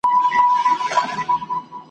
بېړۍ خپل سفر له سره وو نیولی ,